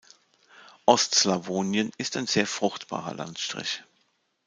Ostslawonien ist ein sehr fruchtbarer Landstrich.